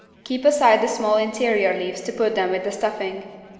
Keep aside the small interior leaves to put them with the stuffing.